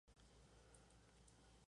Habíamos recuperado a nuestra hija.